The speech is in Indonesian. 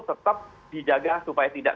tetap dijaga supaya tidak